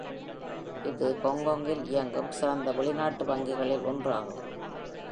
இது ஹாங்காங்கில் இயங்கும் சிறந்த வெளிநாட்டு வங்கிகளில் ஒன்றாகும்.